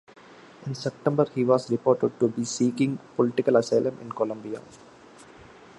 In September he was reported to be seeking political asylum in Colombia.